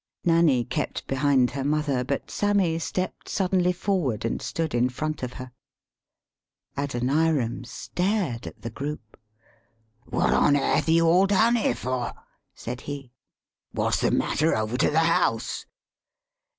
] Nanny kept behind her mother, but Sammy 177 THE SPEAKING VOICE stepped suddenly forward, and stood in front of her. Adoniram stared at the group. " What on airth you all down here for?" said he. "What's the matter over to the house?"